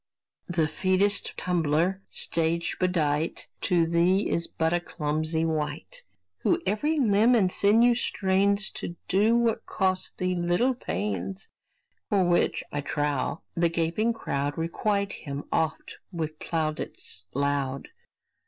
The featest tumbler, stage bedight, To thee is but a clumsy wight, Who every limb and sinew strains To do what costs thee little pains; For which, I trow, the gaping crowd Requite him oft with plaudits loud.